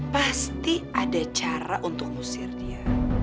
pasti ada cara untuk ngusir dia